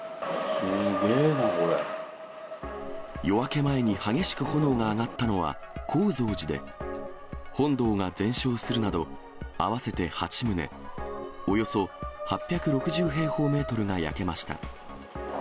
夜明け前に激しく炎が上がったのは、高蔵寺で、本堂が全焼するなど、合わせて８棟、およそ８６０平方メートルが焼けました。